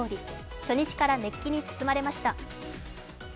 初日から熱気に包まれました。